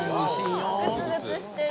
グツグツしてる。